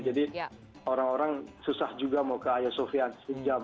jadi orang orang susah juga mau ke hagia sofia sejam